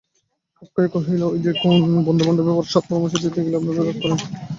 অক্ষয় কহিল, ঐ দেখুন, বন্ধুভাবে সৎপরামর্শ দিতে গেলে আপনারা রাগ করেন।